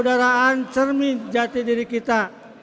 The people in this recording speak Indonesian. saudaraan cermin jati diri kita